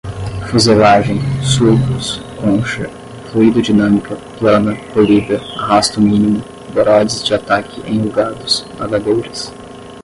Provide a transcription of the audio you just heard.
fuselagem, sulcos, concha, fluidodinâmica, plana, polida, arrasto mínimo, borods de ataque enrugados, nadadeiras